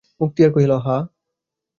মুক্তিয়ার কহিল, হাঁ।